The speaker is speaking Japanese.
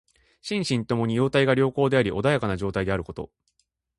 心身ともに様態が良好であり穏やかな状態であること。